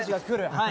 はい